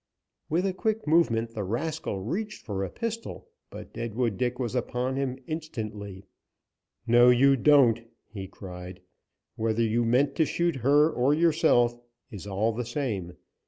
With a quick movement the rascal reached for a pistol, but Deadwood Dick was upon him instantly. "No you don't," he cried. "Whether you meant to shoot her or yourself, is all the same.